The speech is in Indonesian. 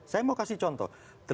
saya mau kasih contoh